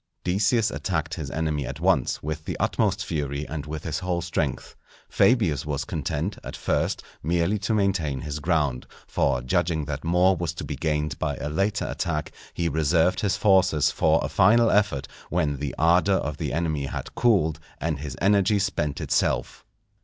Decius attacked his enemy at once with the utmost fury and with his whole strength. Fabius was content, at first, merely to maintain his ground; for judging that more was to be gained by a later attack, he reserved his forces for a final effort, when the ardour of the enemy had cooled and his energy spent itself.